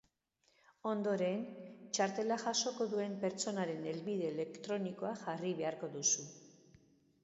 Ondoren, txartela jasoko duen pertsonaren helbide elektronikoa jarri beharko duzu.